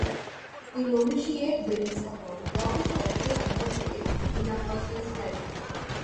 The Novitiate builds upon what is already under way in a person's life.